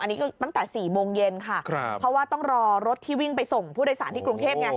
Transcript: อันนี้ก็ตั้งแต่๔โมงเย็นค่ะเพราะว่าต้องรอรถที่วิ่งไปส่งผู้โดยสารที่กรุงเทพไง